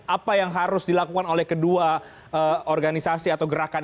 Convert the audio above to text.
apa yang harus dilakukan oleh kedua organisasi atau gerakan